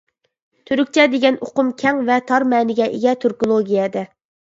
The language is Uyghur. تۈركچە دېگەن ئۇقۇم كەڭ ۋە تار مەنىگە ئىگە تۈركولوگىيەدە.